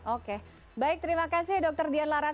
oke baik terima kasih dr dian lara seng